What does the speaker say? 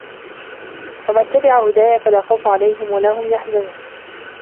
فَمَنْ تَبِعَ هُدَايَ فَلَا خَوْفٌ عَلَيْهِمْ وَلَا هُمْ يَحْزَنُونَ